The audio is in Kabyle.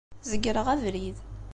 Zegreɣ abrid.